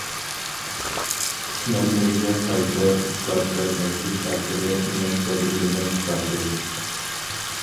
قىسمەنلىرىگە قايتا ئىسپات بەرمەسلىك ھەققىدە ئېنىق بەلگىلىمە چىقاردى.